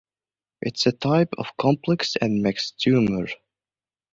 It is a type of complex and mixed tumor.